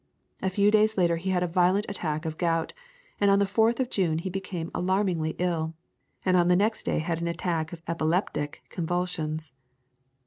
A few days later he had a violent attack of gout, and on the 4th of June he became alarmingly ill, and on the next day had an attack of epileptic convulsions.